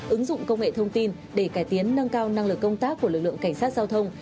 ứng dụng công nghệ thông tin để cải tiến nâng cao năng lực công tác của lực lượng cảnh sát giao thông